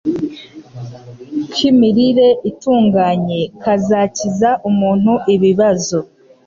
k’imirire itunganye kazakiza umuntu ibibazo